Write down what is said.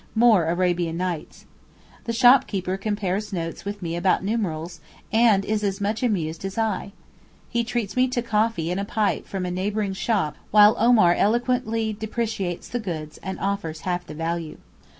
More Arabian Nights. The shopkeeper compares notes with me about numerals, and is as much amused as I. He treats me to coffee and a pipe from a neighbouring shop while Omar eloquently depreciates the goods and offers half the value.